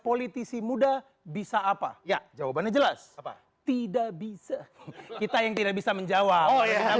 politisi muda bisa apa ya jawabannya jelas apa tidak bisa kita yang tidak bisa menjawab